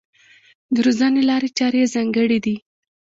د روزنې لارې چارې یې ځانګړې دي.